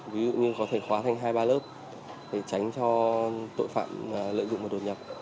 ví dụ như có thể khóa thành hai ba lớp để tránh cho tội phạm lợi dụng và đột nhập